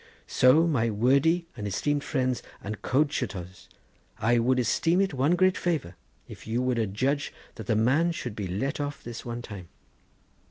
So my wordy and esteemed friends and coadshutors I should esteem it one great favour if you would adshudge that the man should be let off this one time.